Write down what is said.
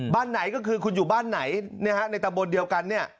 บ้านไหนก็คือคุณอยู่บ้านไหนในตะบนเดียวกันเนี่ย